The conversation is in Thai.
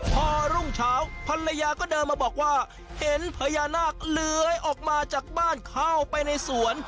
พอรุ่งเช้าภรรยาก็เดินมาบอกว่าเห็นพญานาคเลื้อยออกมาจากบ้านเข้าไปในสวน